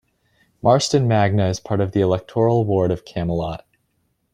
Marston Magna is part of the electoral ward of Camelot.